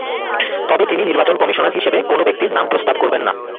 তবে তিনি নির্বাচন কমিশনার হিসেবে কোনো ব্যক্তির নাম প্রস্তাব করবেন না।